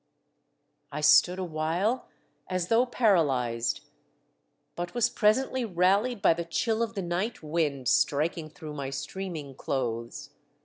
I stood awhile as though paralysed, but was presently rallied by the chill of the night wind striking through my streaming clothes.